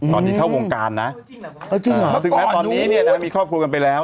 ตอนนี้เข้าวงการนะซึ่งแม้ตอนนี้เนี่ยนะมีครอบครัวกันไปแล้ว